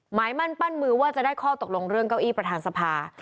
หมายมั่นปั้นมือว่าจะได้ข้อตกลงเรื่องเก้าอี้ประธานสภา